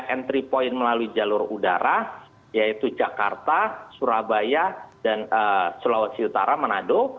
entry point melalui jalur udara yaitu jakarta surabaya dan sulawesi utara manado